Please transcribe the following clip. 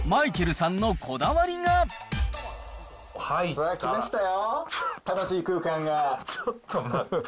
さあ、来ましたよ。